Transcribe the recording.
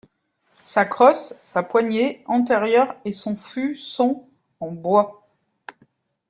Sa crosse, sa poignée antérieure et son fût sont en bois.